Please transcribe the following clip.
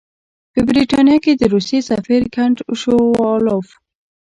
په برټانیه کې د روسیې سفیر کنټ شووالوف.